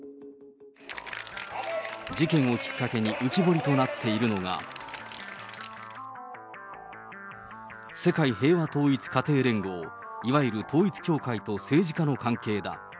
事件をきっかけに浮き彫りとなっているのが、世界平和統一家庭連合、いわゆる統一教会と政治家の関係だ。